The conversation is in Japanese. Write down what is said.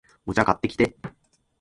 お茶、買ってきて